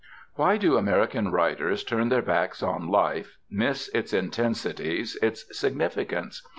Why do American writers turn their backs on life, miss its intensities, its significance?